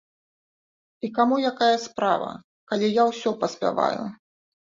І каму якая справа, калі я ўсё паспяваю?